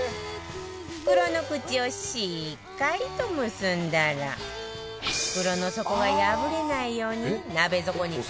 袋の口をしっかりと結んだら袋の底が破れないように鍋底に耐熱皿を敷いて